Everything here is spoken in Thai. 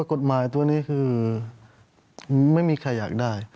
กฎหมายตัวนี้คือไม่มีใครอยากได้